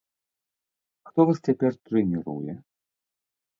Хто вас цяпер трэніруе?